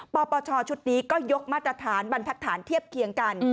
ปปชชุดนี้ก็ยกมาตรฐานบรรทัศนเทียบเคียงกัน